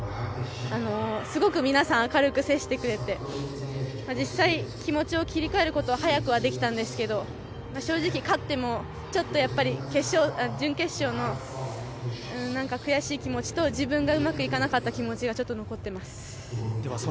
すごく皆さん明るく接してくれて実際、気持ちを切り替えることは早くはできたんですけど正直勝ってもちょっとやっぱり準決勝の悔しい気持ちと自分がうまくいかなかった気持ちがちょっと残ってます。